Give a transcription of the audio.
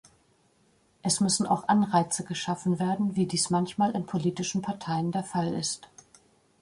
Es müssen auch Anreize geschaffen werden, wie dies manchmal in politischen Parteiender Fall ist.